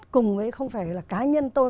cùng với không phải là cá nhân tôi